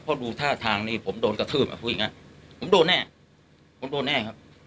เพราะดูท่าทางนี้ผมโดนกระทืบอ่ะพูดอย่างนั้นผมโดนแน่ผมโดนแน่ครับ